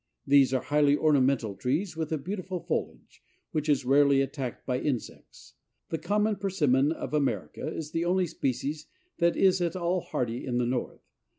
These are highly ornamental trees with a beautiful foliage, which is rarely attacked by insects. The common Persimmon of America is the only species that is at all hardy in the north.